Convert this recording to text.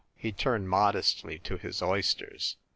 He turned modestly to his oysters.